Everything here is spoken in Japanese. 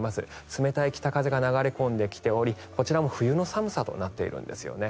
冷たい北風が流れ込んできておりこちらも冬の寒さとなっているんですね。